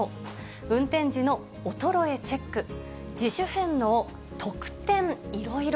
運転時の衰えチェック、自主返納、特典いろいろ。